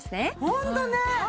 ホントね。